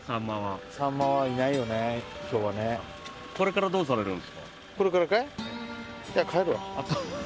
これからどうされるんですか？